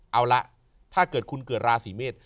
เอาละถ้าเกิดคุณเกิดราศีเมษ